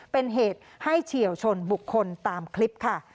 เป็นเหตุให้เฉียวชนบุคคลตามคลิปค่ะ